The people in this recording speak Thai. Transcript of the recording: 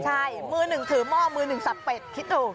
ใช่มือหนึ่งถือหม้อมือหนึ่งสับเป็ดคิดถูก